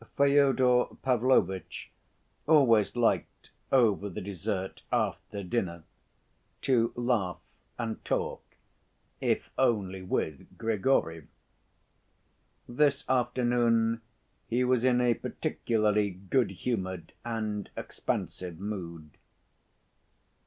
Fyodor Pavlovitch always liked, over the dessert after dinner, to laugh and talk, if only with Grigory. This afternoon he was in a particularly good‐humored and expansive mood.